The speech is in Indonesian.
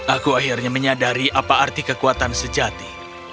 aku akhirnya menyadari apa arti kekuatan sejati